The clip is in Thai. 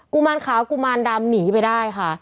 ุมารขาวกุมารดำหนีไปได้ค่ะ